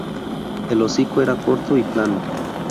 El hocico era corto y plano.